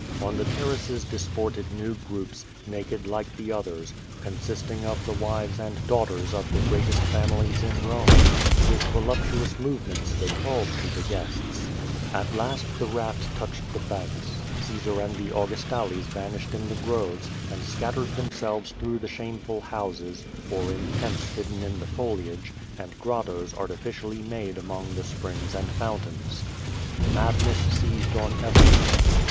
On the terraces disported new grou])s, naked like the others, consisting of the wives and daughters of the greatest families iii Rome. With voluptuous movcmcnta tliey called to the guests. QUO TADIS. 245 At last the raft touched tlie banks. Caesar and the Angus tales vanished in the groves, and scattered themselves througli the shameful houses, or in tents hidden in the foliage, and grottoes artificially made among the springs and fountains. Madness seized on every one.